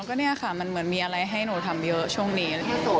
แล้วก็มันมีอะไรให้หนูทำเยอะช่วงนี้